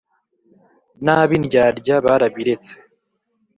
n'ab'indyadya barabiretse